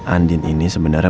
andin ini sebenarnya